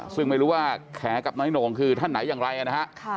ซึ่งไม่รู้ว่าแขกับน้อยโหน่งคือท่านไหนอย่างไรนะฮะ